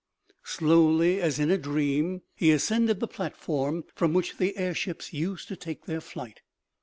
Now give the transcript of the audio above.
Slowly, as in a dream, he ascended the platform from which the air ships used to take their flight.